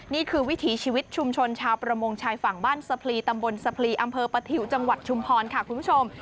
วิถีชีวิตชุมชนชาวประมงชายฝั่งบ้านสะพลีตำบลสะพลีอำเภอปะถิวจังหวัดชุมพรค่ะคุณผู้ชม